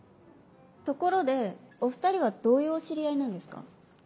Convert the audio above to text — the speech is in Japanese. ところでお２人はどういうお知り合いなんですか？